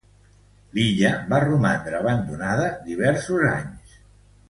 L'illa va romandre abandonada diversos anys.